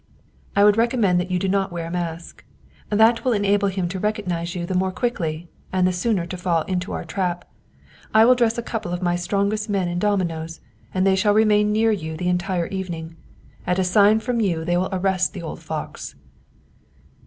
I would recommend that you do not wear a mask. That will en able him to recognize you the more quickly, and the sooner to fall into our trap. I will dress a couple of my strongest men in dominos, and they shall remain near you the entire evening. At a sign from you they will arrest the old fox."